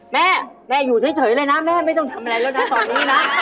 แม่แม่อยู่เฉยเลยนะแม่ไม่ต้องทำอะไรแล้วนะตอนนี้นะ